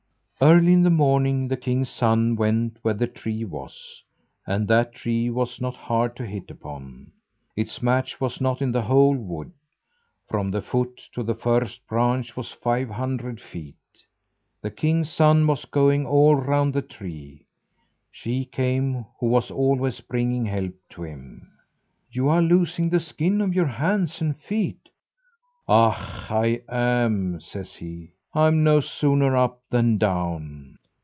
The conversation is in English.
Early in the morning the king's son went where the tree was, and that tree was not hard to hit upon. Its match was not in the whole wood. From the foot to the first branch was five hundred feet. The king's son was going all round the tree. She came who was always bringing help to him. "You are losing the skin of your hands and feet." "Ach! I am," says he. "I am no sooner up than down."